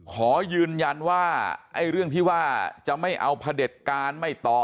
ขอยืนยันว่าไอ้เรื่องที่ว่าจะไม่เอาพระเด็จการไม่ต่อ